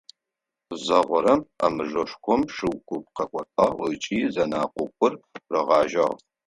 Зэгорэм а мыжъошхом шыу куп къекӏолӏагъ ыкӏи зэнэкъокъур рагъэжьагъ.